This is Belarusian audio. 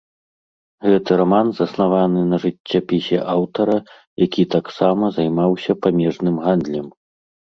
Гэты раман заснаваны на жыццяпісе аўтара, які таксама займаўся памежным гандлем.